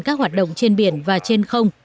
các hoạt động trên biển và trên không